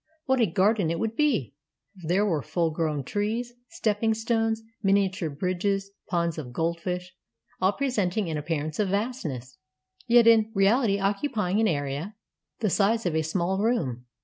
What a garden it would be ! There were full grown trees, stepping stones, minia ture bridges, ponds of goldfish — all presenting an ap pearance of vastness, yet in reality occupying an area 417 JAPAN the size of a small room.